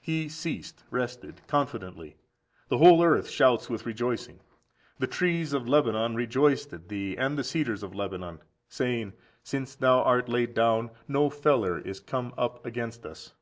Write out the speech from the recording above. He ceased (rested) confidently: the whole earth shouts with rejoicing. The trees of Lebanon rejoiced at thee, and the cedar of Lebanon, (saying), Since thou art laid down, no feller is come up against us.